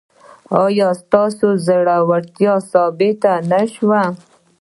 ایا ستاسو زړورتیا ثابته نه شوه؟